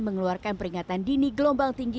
mengeluarkan peringatan dini gelombang tinggi